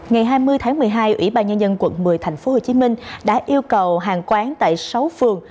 ngày hai mươi tháng một mươi hai ủy ban nhân dân quận một mươi tp hcm đã yêu cầu hàng quán tại sáu phường